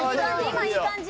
今いい感じ。